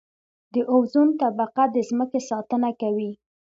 د اوزون طبقه د ځمکې ساتنه کوي